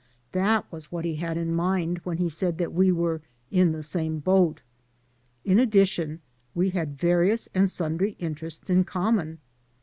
That was what he had in mind when he said that we were in the same boat. In addition, we had various and sundry interests in common.